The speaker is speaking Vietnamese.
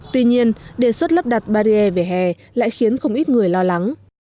tuy nhiên đề xuất lắp đặt barrier về hè lại khiến không ít người lo lắng